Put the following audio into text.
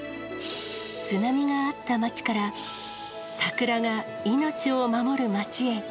津波があった街から、桜が命を守る街へ。